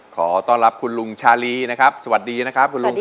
ขอต้อนรับคุณลุงชาลีนะครับสวัสดีนะครับคุณลุงครับ